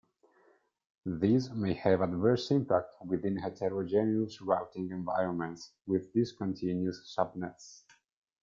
This may have adverse impact within heterogeneous routing environments with discontiguous subnets.